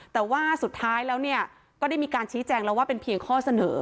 แต่ว่าสุดท้ายแล้วก็ได้มีการชี้แจงแล้วว่าเป็นเพียงข้อเสนอ